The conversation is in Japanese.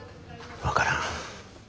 分からん。